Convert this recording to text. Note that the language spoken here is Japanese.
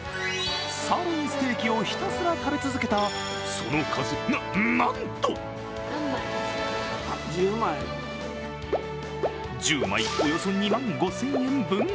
サーロインステーキをひたすら食べ続けたその数、なんと、１０枚、およそ２万５０００円分。